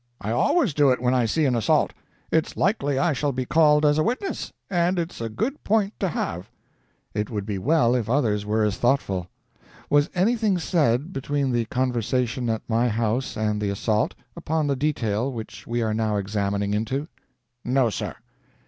"I always do it when I see an assault. It's likely I shall be called as a witness, and it's a good point to have." "It would be well if others were as thoughtful. Was anything said, between the conversation at my house and the assault, upon the detail which we are now examining into?" "No, sir."